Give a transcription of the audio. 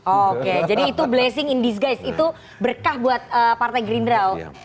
oke jadi itu blessing in disguise itu berkah buat partai gerindra